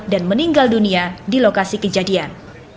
dan meninggal dunia di lokasi kejadian